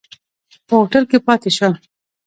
په هوټل کې پاتې شول.